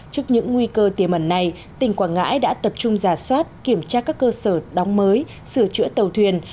trước những nguy cơ tiềm ẩn này tỉnh quảng ngãi đã tập trung giả soát kiểm tra các cơ sở đóng mới sửa chữa tàu thuyền